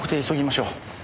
急ぎましょう。